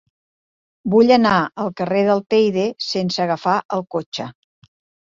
Vull anar al carrer del Teide sense agafar el cotxe.